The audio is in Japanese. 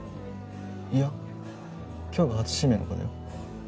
いや今日が初指名の子だよ。